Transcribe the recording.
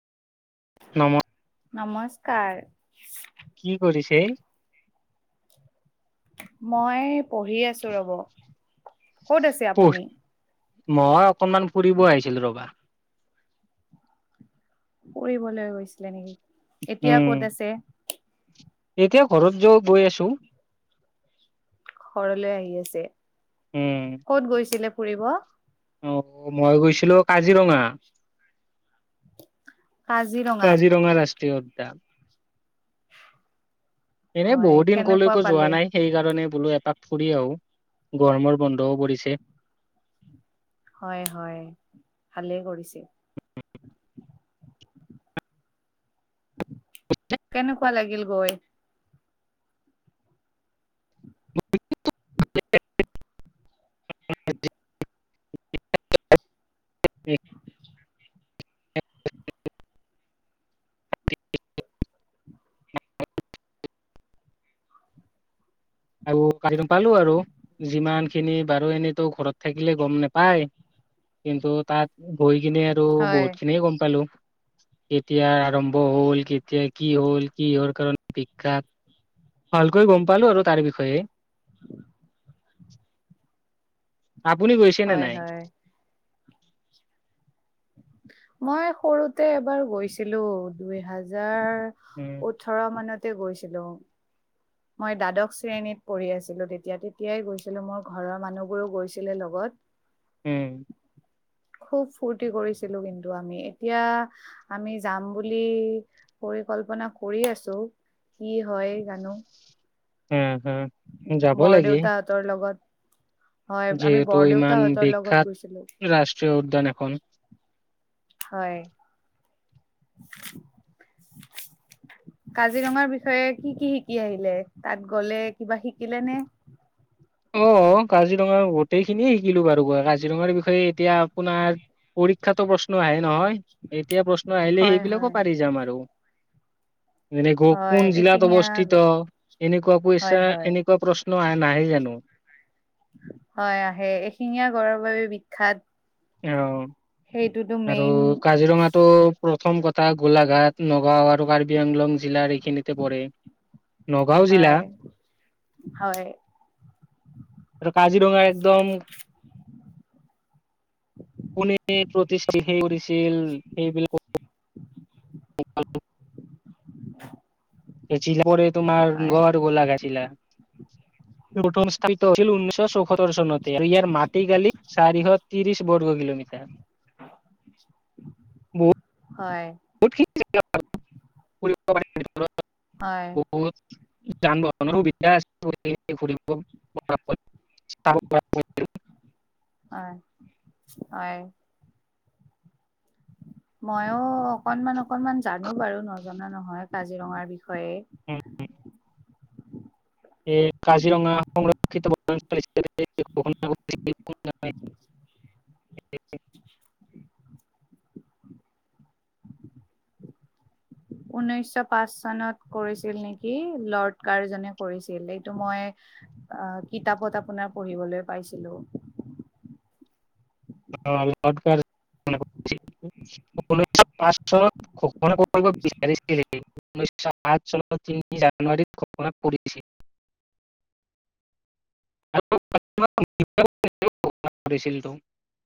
নম নমস্কাৰ কি কৰিছে? মই পঢ়ি আছো ৰ'ব, ক'ত আছে পঢ় আপুনি? মই অকনমান ফুৰিব আহিছিলো ৰবা। ফুৰিবলৈ গৈছিলে নেকি, এতিয়া উম, ক'ত আছে? এতিয়া ঘৰত যো গৈ আছো। ঘৰলৈ আহি আছে। উম। ক'ত গৈছিলে ফুৰিব? অঁ মই গৈছিলো কাজিৰঙা। কাজিৰঙাত কাজিৰঙা ৰাষ্ট্ৰীয় উদ্যান। এনেই হয় বহুত দিন কেনেকুৱা কলৈকো যোৱা পালে নাই। সেইকাৰণে বোলো এপাক ফুৰি আহো, গৰমৰ বন্ধও পৰিছে। হয় হয়, ভালেই কৰিছে। কেনেকুৱা লাগিল গৈ? [unintelligible] [unintelligible] [unintelligible] আৰু নাপালো আৰু যিমান খিনি বাৰু এনেতো ঘৰত থাকিলে গম নেপায়। কিন্তু তাত গৈ কিনে আৰু হয় বহুত খিনিয়ে গম পালোঁ। কেতিয়া আৰম্ভ হ'ল কেতিয়া কি হ'ল কিহৰ কাৰণে বিখ্যাত। ভালকৈ গম পালো আৰু তাৰ বিষয়ে। আপুনি গৈছেনে হয় নাই? হয় মই সৰুতে এবাৰ গৈছিলো দুই হাজাৰ- উমঁ। ওঠৰ মানতে গৈছিলোঁ। [unintelligible] মই দ্বাদশ শ্ৰেণীত পঢ়ি আছিলোঁ তেতিয়া, তেতিয়াই গৈছিলোঁ মোৰ ঘৰৰ মানুহবোৰো গৈছিলে লগত। উম। খুব ফূৰ্তি কৰিছিলো কিন্তু আমি এতিয়া- আমি যাম বুলি পৰিকল্পনা কৰি আছো। কি হয় জানোঁ। হুম হুম। বৰদেউতাহঁতৰ লগত। হয় আমি যিহেতু ইমান বৰদেউতাহঁতৰ লগত বিখ্যাত গৈছিলো। ৰাষ্ট্ৰীয় উদ্যান এখন। হয়। [unintelligible] কাজিৰঙাৰ বিষয়ে কি কি শিকি আহিলে, তাত গলে কিবা শিকিলে নে? অঁ, কাজিৰঙা গোটেই খিনিয়ে শিকিলো বাৰু গৈ কাজিৰঙাৰ বিষয়ে এতিয়া আপোনাৰ পঢ়ি- ক্ষাতো প্ৰশ্ন আহে নহয়, এতিয়া প্ৰশ্ন আহিলে হয় হয় সেইবিলাকো পাৰি যাম আৰু। এনে হয় কোন জিলাত এশিঙীয়া অৱস্থিত, এনেকুৱা হয় কৈইছা হয় এনেকুৱা প্ৰশ্ন- আহে নাহে জানোঁ? হয় আহে, এশিঙীয়া গড়ৰ বাবে বিখ্যাত। সেইটোতো অঁ আৰু মেইন কাজিৰঙটো প্ৰথম কথা গোলাঘাট- নগাঁও আৰু কাৰ্বি আংলং জিলাৰ এইখিনিতে পৰে নগাঁও হয় জিলা। হয়। আৰু কাজিৰঙা একদম- কোনে প্ৰতিষ্ঠি সেই কৰিছিল, সেইবিলা- [inaudible] [inaudible] এই চিলা গৰে তোমাৰ হয় হয় গত গোলা গাথীলা। [inaudible] গন স্থাপিত হৈছিল ঊনৈশ চ সত্তৰ চনতে আৰু ইয়াৰ মাটিকালি চাৰিশ তিৰিশ বৰ্গ কিলমিটাৰ। [inaudible] বহুত হয়। [unintelligible] হয় যান বাহনৰ সুবিধা আছে [unintelligible] অয় অয়। ময়ো অকনমান - অকনমান জানো বাৰু নজনা নহয় কাজিৰঙাৰ বিষয়ে। উম', উম'। এই কাজিৰঙা সংৰক্ষিত বনাঞ্চল হিচাপে [unintelligible] [inaudible] [inaudible] ঊনৈশ পাঁচ চনত কৰিছিল নেকি? লৰ্ড কাৰ্জনে কৰিছিল এইটো মই আ, কিতাপত আপোনাৰ পঢ়িবলৈ পাইছিলোঁ। অ' [unintelligible] পাঁচ চনত ঘোষণা কৰিব বিচাৰি [inaudible] ঊনৈছশ সাত চনৰ তিনি জানুৱাৰী ঘোষণা কৰিছিল। [unintelligible]